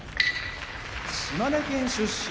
島根県出身